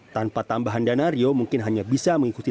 tanpa tambahan dana rio mungkin hanya bisa mengikuti